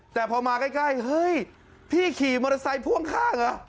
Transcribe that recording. แต่พอมาใกล้เฮ้ยพี่ขี่โมทะไซต์พ่วงข้าง